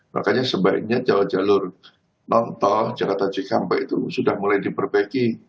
makanya sebaiknya jalur jalur non tol jakarta cikampek itu sudah mulai diperbaiki